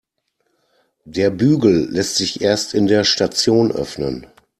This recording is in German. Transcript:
Der Bügel lässt sich erst in der Station öffnen.